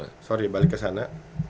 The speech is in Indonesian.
oh sorry balik kesana